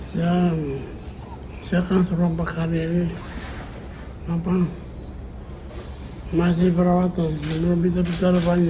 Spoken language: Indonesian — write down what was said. saya akan suruh pakar ini apa masih berawat